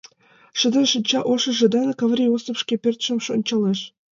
Шыдын, шинча ошыжо дене Каврий Осып шке пӧртшым ончалеш.